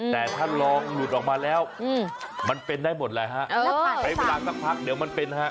แต่ถ้าลองหลุดออกมาแล้วมันเป็นได้หมดเลยฮะใช้เวลาสักพักเดี๋ยวมันเป็นฮะ